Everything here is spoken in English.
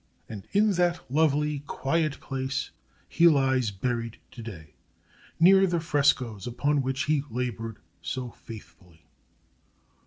And in that lovely, quiet place he lies buried today, near the frescos upon which he labored so faithfully.